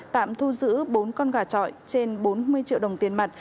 tạm thu giữ bốn con gà trọi trên bốn mươi triệu đồng tiền mặt